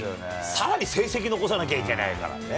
さらに成績残さなきゃいけないからね。